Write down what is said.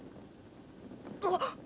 あっ！